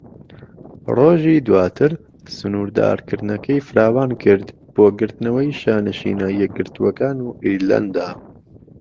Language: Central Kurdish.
ڕۆژی دواتر، سنوردارکردنەکەی فراوانکرد بۆ گرتنەوەی شانشینە یەکگرتووەکان و ئیرلەندا.